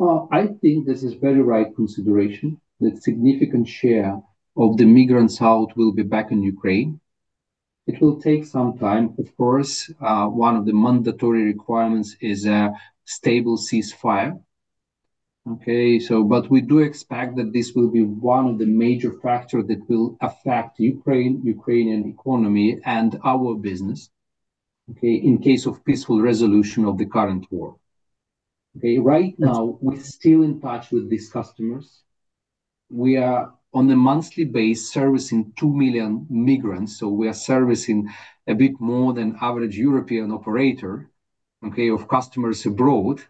Well, I think this is very right consideration, that significant share of the migrants out will be back in Ukraine. It will take some time, of course. One of the mandatory requirements is a stable ceasefire. We do expect that this will be one of the major factor that will affect Ukraine, Ukrainian economy, and our business, in case of peaceful resolution of the current war. Right now, we're still in touch with these customers. We are on a monthly basis servicing 2 million migrants, so we are servicing a bit more than average European operator of customers abroad.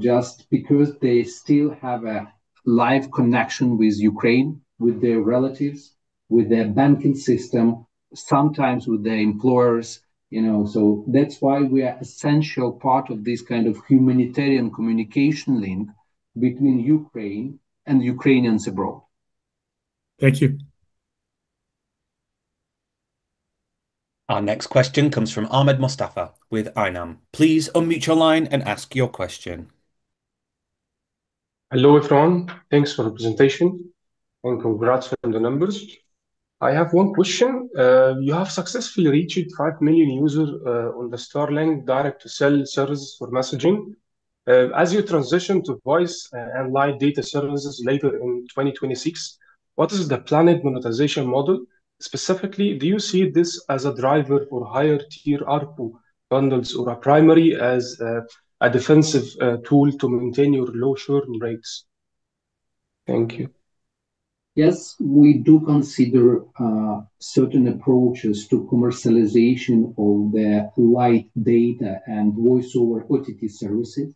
Just because they still have a live connection with Ukraine, with their relatives, with their banking system, sometimes with their employers, you know. That's why we are essential part of this kind of humanitarian communication link between Ukraine and Ukrainians abroad. Thank you. Our next question comes from Ahmed Mostafa with Einam. Please unmute your line and ask your question. Hello, everyone. Thanks for the presentation and congrats on the numbers. I have one question. You have successfully reached 5 million users on the Starlink direct-to-cell services for messaging. As you transition to voice and live data services later in 2026, what is the planned monetization model? Specifically, do you see this as a driver for higher tier ARPU bundles or primarily as a defensive tool to maintain your low churn rates? Thank you. Yes, we do consider certain approaches to commercialization of the live data and voice-over OTT services.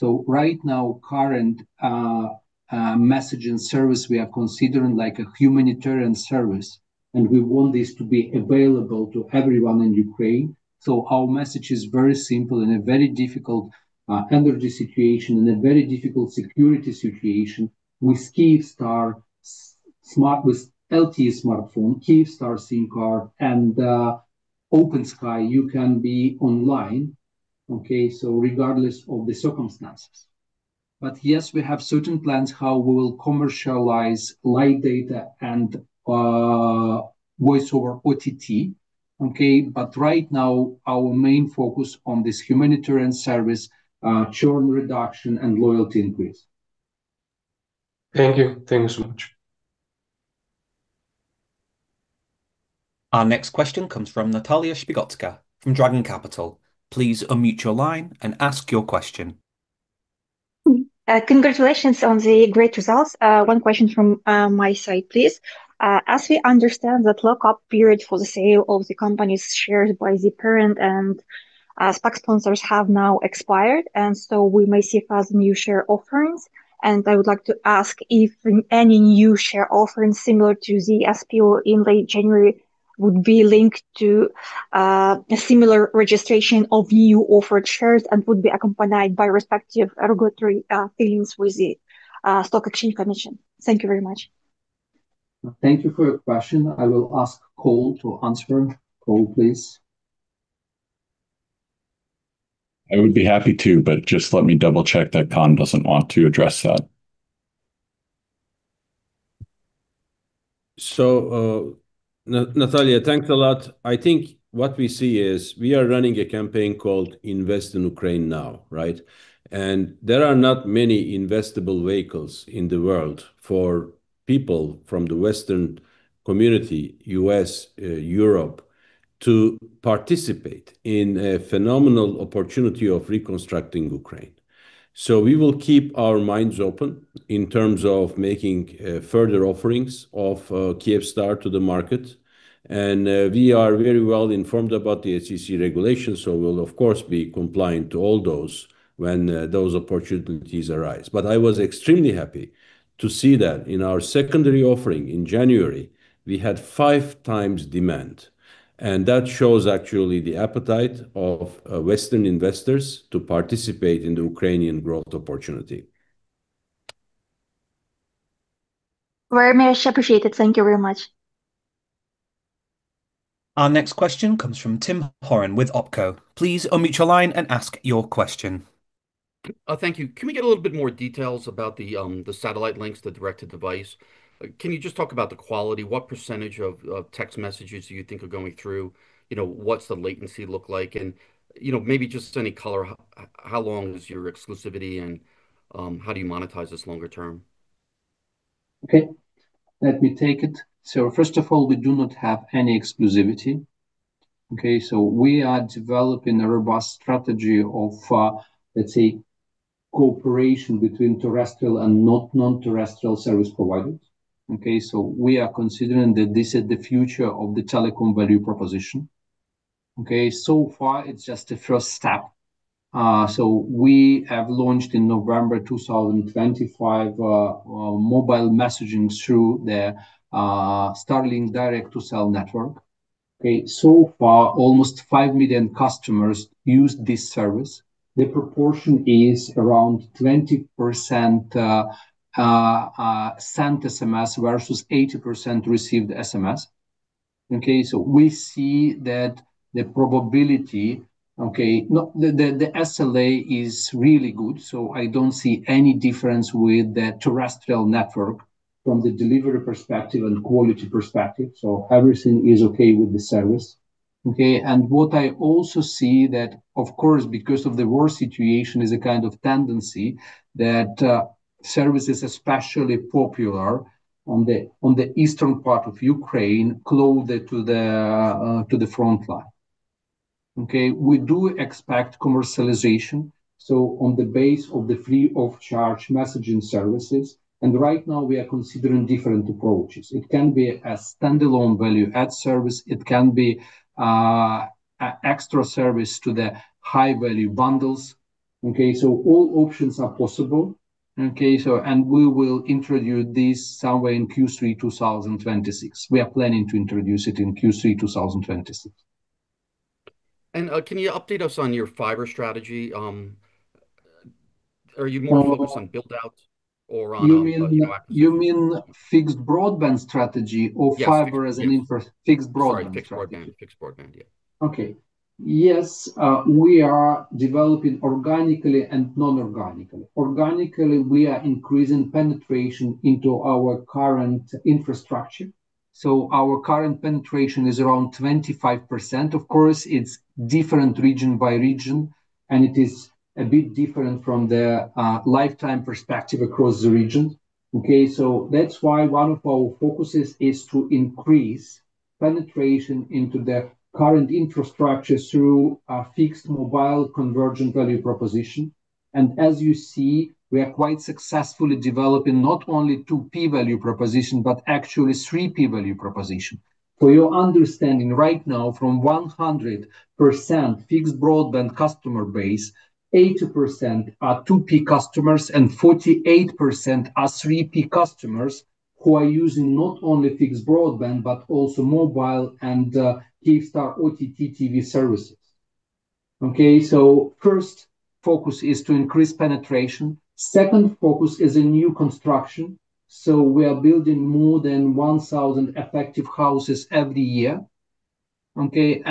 Right now, current messaging service we are considering like a humanitarian service, and we want this to be available to everyone in Ukraine. Our message is very simple. In a very difficult energy situation and a very difficult security situation with LTE smartphone, Kyivstar SIM card and OpenSky, you can be online, okay, regardless of the circumstances. Yes, we have certain plans how we will commercialize live data and voice-over OTT, okay? Right now, our main focus on this humanitarian service, churn reduction and loyalty increase. Thank you. Thank you so much. Our next question comes from Natalia Shpygotska from Dragon Capital. Please unmute your line and ask your question. Congratulations on the great results. One question from my side, please. As we understand that lockup period for the sale of the company's shares by the parent and SPAC sponsors have now expired, and so we may see fast new share offerings. I would like to ask if any new share offerings similar to the SPO in late January would be linked to a similar registration of your offered shares and would be accompanied by respective regulatory filings with the Securities and Exchange Commission. Thank you very much. Thank you for your question. I will ask Cole to answer. Cole, please. I would be happy to, but just let me double-check that Kaan doesn't want to address that. Natalia, thanks a lot. I think what we see is we are running a campaign called Invest in Ukraine NOW!, right? There are not many investable vehicles in the world for People from the Western community, U.S., Europe, to participate in a phenomenal opportunity of reconstructing Ukraine. We will keep our minds open in terms of making further offerings of Kyivstar to the market, and we are very well informed about the SEC regulations, so we'll of course be compliant to all those when those opportunities arise. I was extremely happy to see that in our secondary offering in January, we had 5x demand. That shows actually the appetite of Western investors to participate in the Ukrainian growth opportunity. Very much appreciated. Thank you very much. Our next question comes from Tim Horan with Oppenheimer & Co. Please unmute your line and ask your question. Thank you. Can we get a little bit more details about the satellite links, the direct-to-device? Can you just talk about the quality? What percentage of text messages do you think are going through? You know, what's the latency look like? You know, maybe just any color, how long is your exclusivity and how do you monetize this longer term? Okay. Let me take it. First of all, we do not have any exclusivity. We are developing a robust strategy of, let's say, cooperation between terrestrial and non-terrestrial service providers. We are considering that this is the future of the telecom value proposition. So far, it's just the first step. We have launched in November 2025 mobile messaging through the Starlink direct-to-cell network. So far almost 5 million customers use this service. The proportion is around 20% sent SMS versus 80% received SMS. We see that the SLA is really good, so I don't see any difference with the terrestrial network from the delivery perspective and quality perspective, so everything is okay with the service. Okay, what I also see that, of course, because of the war situation, is a kind of tendency that service is especially popular on the eastern part of Ukraine, closer to the front line. Okay, we do expect commercialization based on the free of charge messaging services. Right now we are considering different approaches. It can be a standalone value add service. It can be an extra service to the high value bundles. Okay, all options are possible. Okay, we will introduce this somewhere in Q3 2026. We are planning to introduce it in Q3 2026. Can you update us on your fiber strategy? Are you more focused on build-outs or on? You mean fixed broadband strategy or fiber as an infrastructure? Yes. Fixed broadband. Sorry, fixed broadband, yeah. Yes, we are developing organically and non-organically. Organically, we are increasing penetration into our current infrastructure. Our current penetration is around 25%. Of course, it's different region by region, and it is a bit different from the lifetime perspective across the region. That's why one of our focuses is to increase penetration into the current infrastructure through a fixed mobile convergent value proposition. As you see, we are quite successfully developing not only 2P value proposition, but actually 3P value proposition. For your understanding, right now from 100% fixed broadband customer base, 80% are 2P customers and 48% are 3P customers who are using not only fixed broadband, but also mobile and Kyivstar OTT TV services. First focus is to increase penetration. Second focus is a new construction, so we are building more than 1,000 effective houses every year. Okay,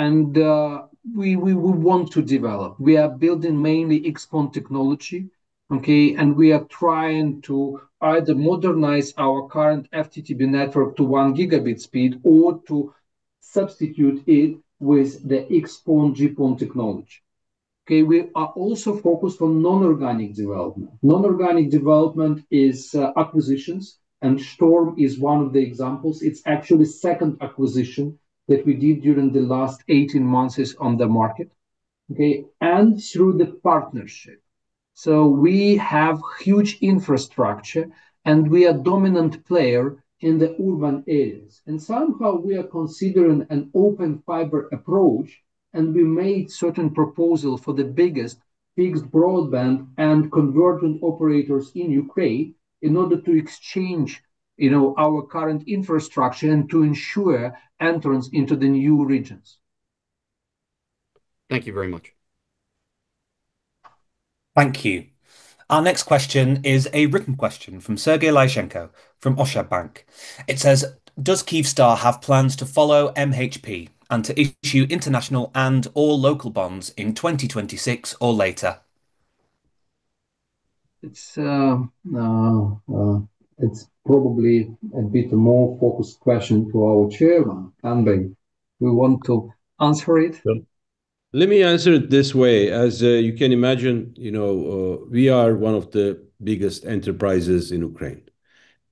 we want to develop. We are building mainly xPON technology, okay? We are trying to either modernize our current FTTB network to 1 Gb speed or to substitute it with the xPON/GPON technology. Okay, we are also focused on non-organic development. Non-organic development is acquisitions, and Storm is one of the examples. It's actually second acquisition that we did during the last 18 months is on the market, okay? Through the partnership. We have huge infrastructure, and we are dominant player in the urban areas. Somehow we are considering an Open Fiber approach, and we made certain proposals for the biggest fixed broadband and convergent operators in Ukraine in order to exchange, you know, our current infrastructure and to ensure entrance into the new regions. Thank you very much. Thank you. Our next question is a written question from Sergei Lysenko from Oschadbank. It says: "Does Kyivstar have plans to follow MHP and to issue international and/or local bonds in 2026 or later? It's probably a bit more focused question to our chairman, Andriy. We want to answer it. Let me answer it this way. As you can imagine, you know, we are one of the biggest enterprises in Ukraine.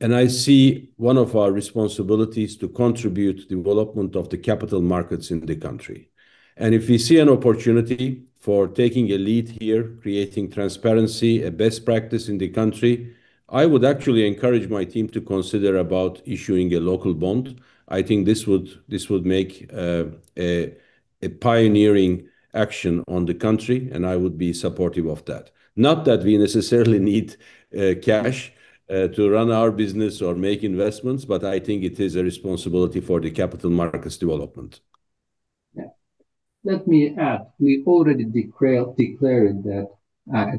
I see one of our responsibilities to contribute to the development of the capital markets in the country. If we see an opportunity for taking a lead here, creating transparency, a best practice in the country, I would actually encourage my team to consider about issuing a local bond. I think this would make a pioneering action on the country, and I would be supportive of that. Not that we necessarily need cash to run our business or make investments, but I think it is a responsibility for the capital markets development. Yeah. Let me add, we already declared that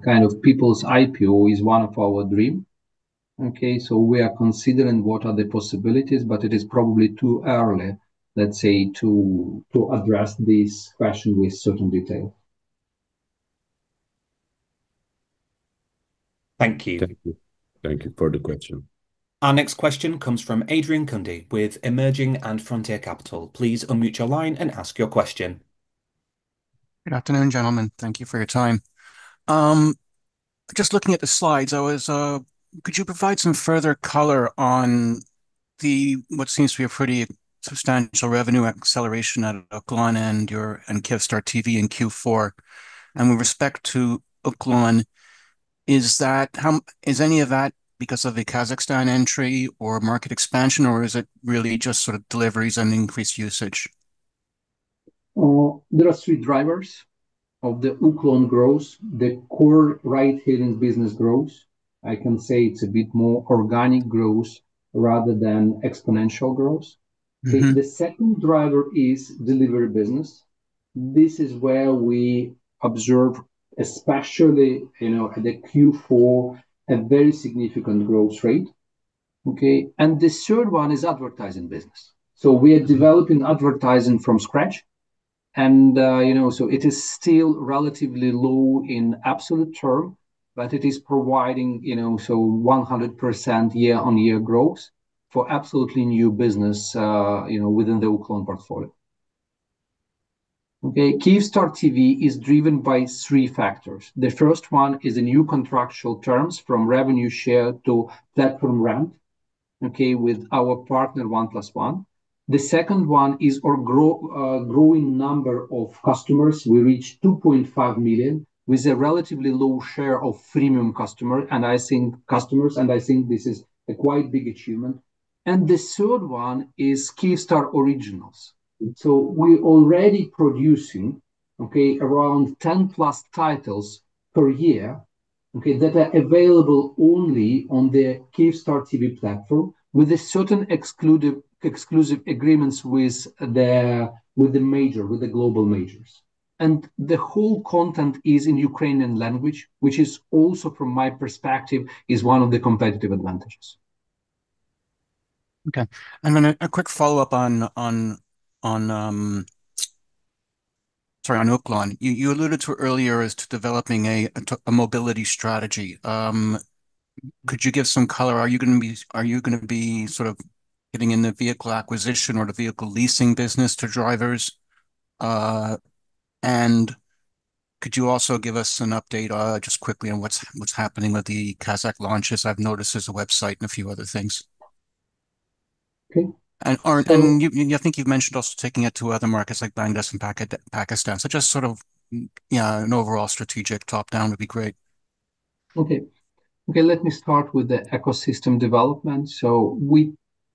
kind of people's IPO is one of our dream, okay? We are considering what are the possibilities, but it is probably too early, let's say, to address this question with certain detail. Thank you. Thank you. Thank you for the question. Our next question comes from Adrian Kundy with Emerging and Frontier Capital. Please unmute your line and ask your question. Good afternoon, gentlemen. Thank you for your time. Just looking at the slides, could you provide some further color on what seems to be a pretty substantial revenue acceleration at Uklon and your Kyivstar TV in Q4? With respect to Uklon, is any of that because of the Kazakhstan entry or market expansion, or is it really just sort of deliveries and increased usage? There are three drivers of the Uklon growth. The core ride-hailing business growth, I can say it's a bit more organic growth rather than exponential growth. Mm-hmm. The second driver is delivery business. This is where we observe, especially, you know, at the Q4, a very significant growth rate, okay. The third one is advertising business. We are developing advertising from scratch and, you know, it is still relatively low in absolute term, but it is providing, you know, so 100% year-on-year growth for absolutely new business, you know, within the Uklon portfolio. Okay. Kyivstar TV is driven by three factors. The first one is the new contractual terms from revenue share to platform rent, okay. With our partner, 1+1. The second one is our growing number of customers. We reached 2.5 million with a relatively low share of freemium customers, and I think this is a quite big achievement. The third one is Kyivstar TV Originals. We're already producing, okay, around 10+ titles per year, okay? That are available only on the Kyivstar TV platform with a certain exclusive agreements with the major, with the global majors. The whole content is in Ukrainian language, which is also from my perspective, is one of the competitive advantages. Okay. A quick follow-up on Uklon. You alluded to earlier as to developing a mobility strategy. Could you give some color? Are you gonna be sort of getting in the vehicle acquisition or the vehicle leasing business to drivers? Could you also give us an update, just quickly on what's happening with the Kazakh launches? I've noticed there's a website and a few other things. Okay. I think you've mentioned also taking it to other markets like Bangladesh and Pakistan. Just sort of, yeah, an overall strategic top-down would be great. Okay, let me start with the ecosystem development. We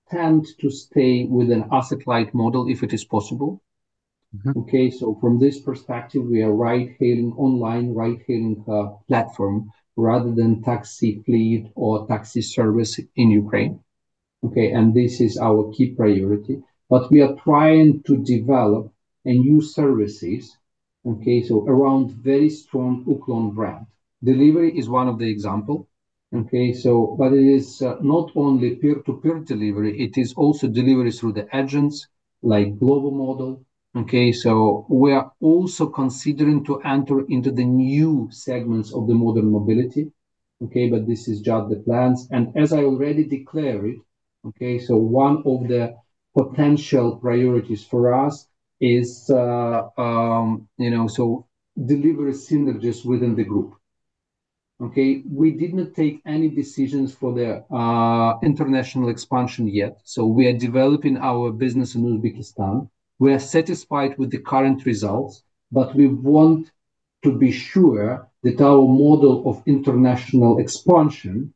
tend to stay with an asset-light model if it is possible. Mm-hmm. From this perspective, we are ride-hailing, online ride-hailing, platform rather than taxi fleet or taxi service in Ukraine, okay? This is our key priority. We are trying to develop a new services, okay, so around very strong Uklon brand. Delivery is one of the example, okay? But it is not only peer-to-peer delivery, it is also delivery through the agents like global model, okay? We are also considering to enter into the new segments of the modern mobility, okay? This is just the plans. As I already declared, okay, so one of the potential priorities for us is, you know, so delivery synergies within the group, okay? We did not take any decisions for the international expansion yet, so we are developing our business in Uzbekistan. We are satisfied with the current results, but we want to be sure that our model of international expansion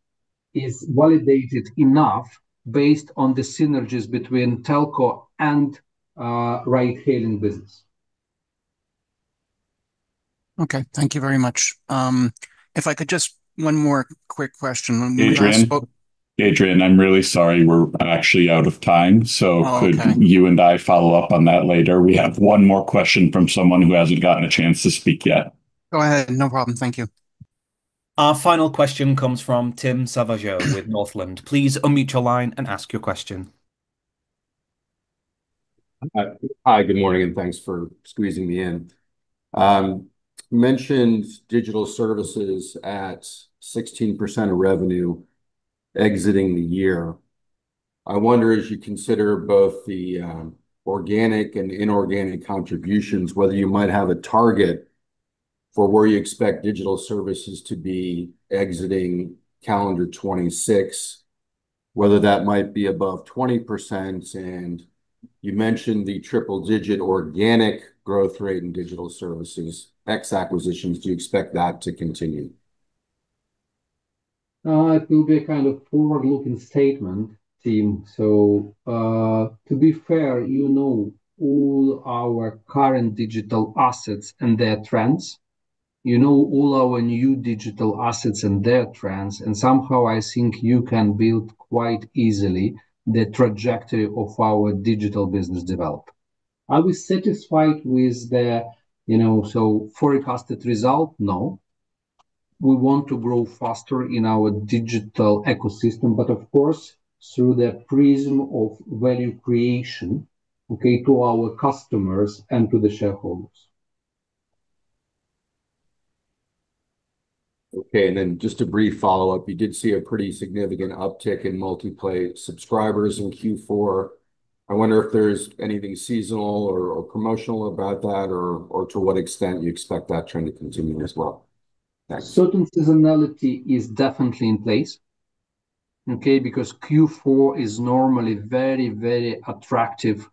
is validated enough based on the synergies between telco and ride-hailing business. Okay. Thank you very much. If I could just one more quick question? Adrian? Adrian, I'm really sorry. We're actually out of time. Oh, okay. Could you and I follow up on that later? We have one more question from someone who hasn't gotten a chance to speak yet. Go ahead. No problem. Thank you. Our final question comes from Tim Savageaux with Northland. Please unmute your line and ask your question. Hi, good morning, and thanks for squeezing me in. You mentioned digital services at 16% of revenue exiting the year. I wonder, as you consider both the organic and inorganic contributions, whether you might have a target for where you expect digital services to be exiting calendar 2026, whether that might be above 20%. You mentioned the triple digit organic growth rate in digital services, ex acquisitions. Do you expect that to continue? It will be a kind of forward-looking statement, Tim. To be fair, you know all our current digital assets and their trends. You know all our new digital assets and their trends, and somehow I think you can build quite easily the trajectory of our digital business development. Are we satisfied with the, you know, so forecasted result? No. We want to grow faster in our digital ecosystem, but of course, through the prism of value creation, okay, to our customers and to the shareholders. Okay. Just a brief follow-up. You did see a pretty significant uptick in multi-play subscribers in Q4. I wonder if there's anything seasonal or promotional about that or to what extent you expect that trend to continue as well. Thanks. Certain seasonality is definitely in place, okay, because Q4 is normally very, very attractive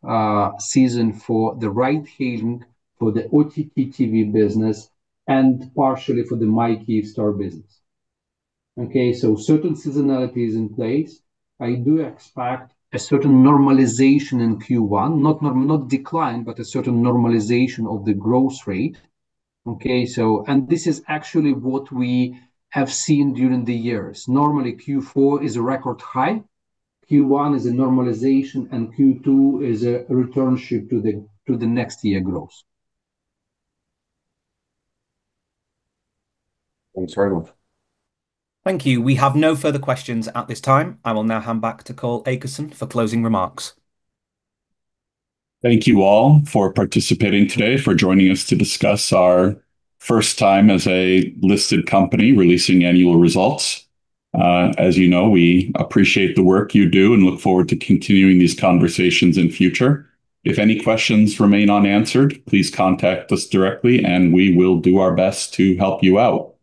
season for the ride-hailing for the OTT TV business and partially for the My Kyivstar business. Okay? Certain seasonality is in place. I do expect a certain normalization in Q1. Not decline, but a certain normalization of the growth rate. Okay, this is actually what we have seen during the years. Normally, Q4 is a record high, Q1 is a normalization, and Q2 is a return shift to the next year's growth. Thanks, Radov. Thank you. We have no further questions at this time. I will now hand back to Cole Akerson for closing remarks. Thank you all for participating today, for joining us to discuss our first time as a listed company releasing annual results. As you know, we appreciate the work you do and look forward to continuing these conversations in future. If any questions remain unanswered, please contact us directly and we will do our best to help you out.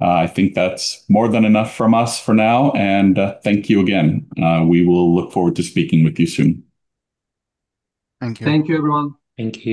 I think that's more than enough from us for now, and thank you again. We will look forward to speaking with you soon. Thank you. Thank you, everyone. Thank you.